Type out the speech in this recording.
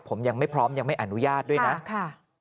ผมยังไม่พร้อมยังไม่อนุญาตด้วยนะค่ะ